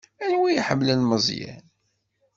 Anwa i iḥemmlen Meẓyan?